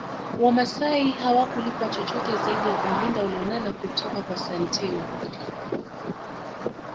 Wamasai hawakulipwa chochote zaidi ya kumlinda Olonana kutoka kwa Santeu